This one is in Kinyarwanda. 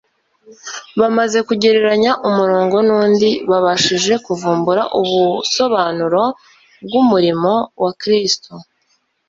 bamaze kugereranya umurongo n'undi, babashije kuvumbura ubusobanuro bw'umurimo wa Kristo.